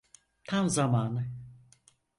Tam zamanı.